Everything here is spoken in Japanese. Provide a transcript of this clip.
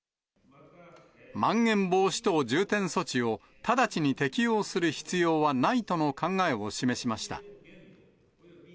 まん延防止等重点措置を、直ちに適用する必要はないとの考えを示しました。